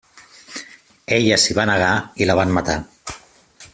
Ella s'hi va negar i la van matar.